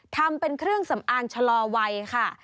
ทำเป็นเครื่องสำอางชะลอวัยค่ะ